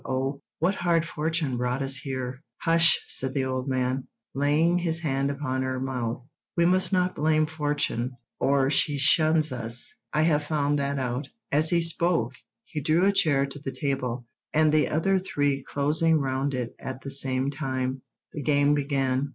"Oh, what hard fortune brought us here?" "Hush!" said the old man, laying his hand upon her mouth. "We must not blame fortune, or she shuns us; I have found that out." As he spoke he drew a chair to the table; and the other three closing round it at the same time, the game began.